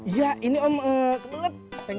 iya ini om kebelet